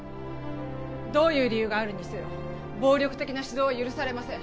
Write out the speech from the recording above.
どういう理由があるにせよ暴力的な指導は許されません